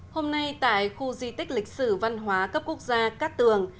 hôm nay tại khu di tích lịch sử văn hóa cấp quốc gia cát tường